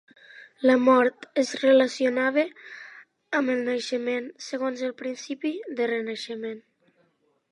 La mort es relacionava amb el naixement segons el principi de renaixement.